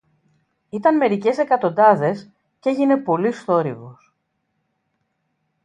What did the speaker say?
Ήταν μερικές εκατοντάδες, κι έγινε πολύς θόρυβος